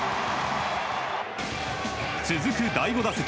続く第５打席。